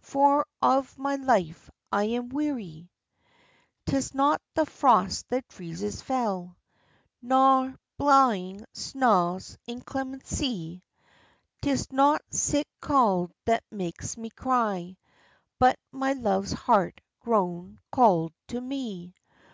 For of my life I am wearie! 'Tis not the frost that freezes fell, Nor blawing snaw's inclemencie, 'Tis not sic cauld that makes me cry, But my love's heart's grown cauld to me.